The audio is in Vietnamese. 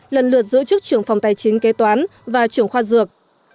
lần lượt giữ chức trưởng phòng tài chính kế toán và trưởng khoa dược